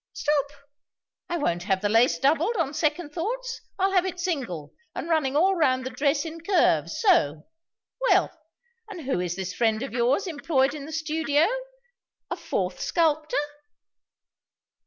"Stop! I won't have the lace doubled, on second thoughts. I'll have it single, and running all round the dress in curves so. Well, and who is this friend of yours employed in the studio? A fourth sculptor?"